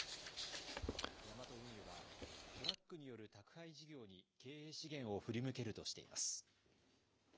ヤマト運輸は、トラックによる宅配事業に経営資源を振り向けるとしています。